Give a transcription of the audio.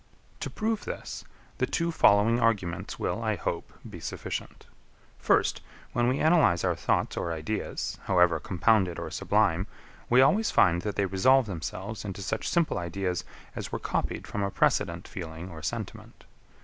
14. To prove this, the two following arguments will, I hope, be sufficient. First, when we analyze our thoughts or ideas, however compounded or sublime, we always find that they resolve themselves into such simple ideas as were copied from a precedent feeling or sentiment.